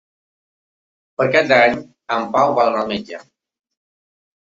Per Cap d'Any en Pau vol anar al metge.